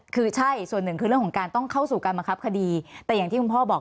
คือใช่ส่วนหนึ่งคือเรื่องของการต้องเข้าสู่การบังคับคดีแต่อย่างที่คุณพ่อบอก